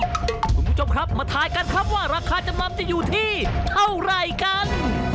คุณผู้ชมครับมาทายกันครับว่าราคาจำนำจะอยู่ที่เท่าไหร่กัน